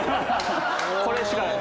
これしかない。